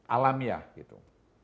alam ya gitu